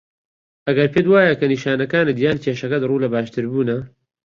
ئەگەر پێت وایه که نیشانەکانت یان کێشەکەت ڕوو له باشتربوونه